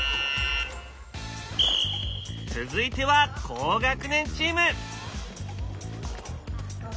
続いては高学年チーム。